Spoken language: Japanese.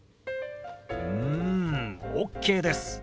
うんＯＫです。